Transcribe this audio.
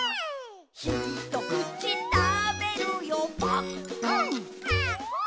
「ひとくちたべるよぱっくん」くん！